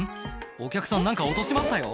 お客さん何か落としましたよ」